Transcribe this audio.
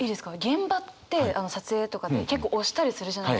現場って撮影とかで結構押したりするじゃないですか。